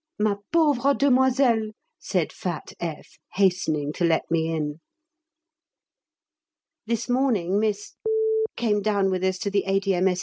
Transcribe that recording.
"Ma pauvre demoiselle," said fat F., hastening to let me in. This morning Miss came down with us to the A.D.M.S.'